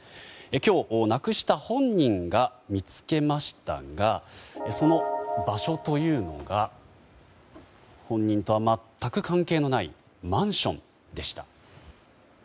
今日なくした本人が見つけましたがその場所というのが本人とは全く関係のないマンションでした。